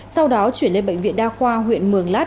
sau đó chuyển lên bệnh viện đa khoa huyện mường lát